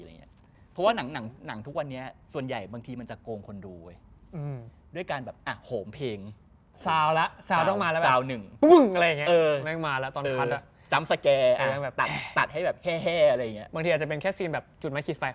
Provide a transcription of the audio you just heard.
เพราะว่านางนังทุกวันนี้ส่วนใหญ่บางทีมันจะโกงคนดู